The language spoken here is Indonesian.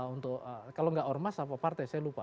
untuk kalau nggak ormas apa partai saya lupa